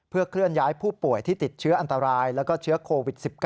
เพื่อเคลื่อนย้ายผู้ป่วยที่ติดเชื้ออันตรายแล้วก็เชื้อโควิด๑๙